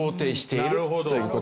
なるほど。